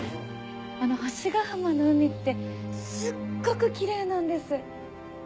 星ヶ浜の海ってすっごくキレイなんです。